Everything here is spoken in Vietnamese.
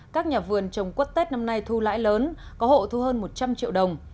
các nhà vườn trồng quất tết năm nay thu lãi lớn có hộ thu hơn một trăm linh triệu đồng